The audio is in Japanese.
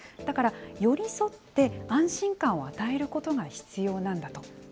だから、寄り添って安心感を与えることが必要なんだと。